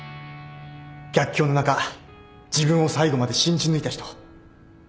逆境の中自分を最後まで信じ抜いた人。